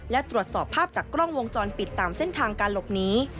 และตรวจสอบภาพจากกล้องวงจรปิดตามเส้นทางการหลบหนี